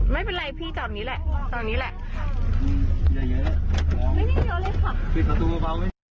ไม่เป็นไรพี่จอดนี้แหละจอดนี้แหละ